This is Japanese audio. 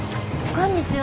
こんにちは。